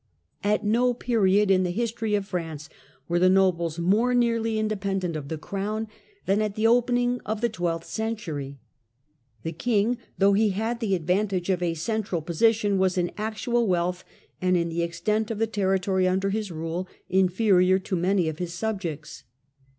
At no period in the history of France were the nobles more nearly independent of the crown than at the opening of the twelfth century. The king, though he had the advan tage of a central position, was, in actual wealth and in the extent of the territory under his rule, inferior to many of his subjects.